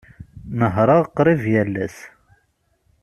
Nehhṛeɣ qrib yal ass.